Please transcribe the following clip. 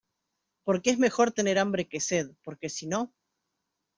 porque es mejor tener hambre que sed, porque sino